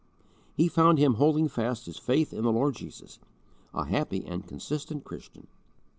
He found him holding fast his faith in the Lord Jesus, a happy and consistent Christian.